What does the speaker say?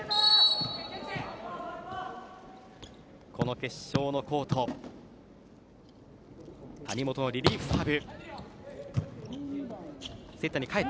この決勝のコート谷本のリリーフサーブ。